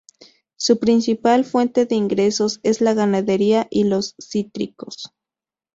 Su principal fuente de ingresos es la ganadería y los cítricos.